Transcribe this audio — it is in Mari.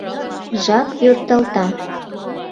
— Жап йорталта...